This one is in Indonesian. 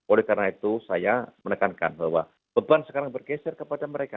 oleh karena itu saya menekankan bahwa beban sekarang bergeser kepada mereka